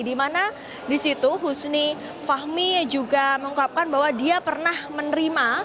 di mana di situ husni fahmi juga mengungkapkan bahwa dia pernah menerima